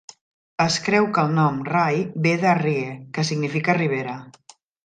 Es creu que el nom de Rye ve de "rie", que significa "ribera".